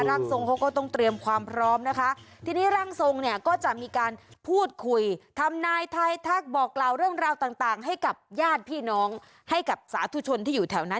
ร่างทรงเขาก็ต้องเตรียมความพร้อมนะคะทีนี้ร่างทรงเนี่ยก็จะมีการพูดคุยทำนายทายทักบอกกล่าวเรื่องราวต่างให้กับญาติพี่น้องให้กับสาธุชนที่อยู่แถวนั้น